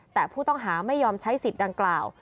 แต่ผู้ต้องหาไม่ยอมใช้สิทธิ์ดังกล่าว